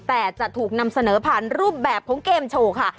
แต่จะถูกนำเสนอผ่านรูปแบบของเกมโชว์ค่ะ